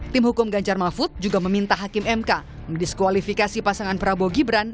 tim hukum ganjar mahfud juga meminta hakim mk mendiskualifikasi pasangan prabowo gibran